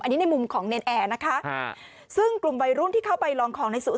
ดูกันเลยครับผม